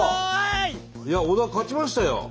いや小田勝ちましたよ。